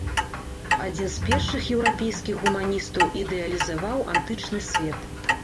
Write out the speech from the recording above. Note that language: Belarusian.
Адзін з першых еўрапейскіх гуманістаў ідэалізаваў антычны свет.